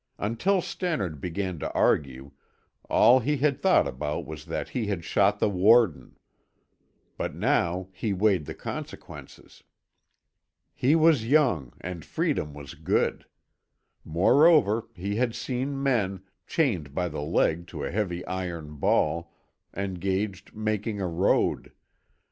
Until Stannard began to argue, all he had thought about was that he had shot the warden, but now he weighed the consequences. He was young and freedom was good. Moreover, he had seen men, chained by the leg to a heavy iron ball, engaged making a road.